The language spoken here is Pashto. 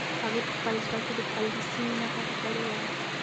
هغې په خپل زړه کې د خپل لمسي مینه پټه کړې وه.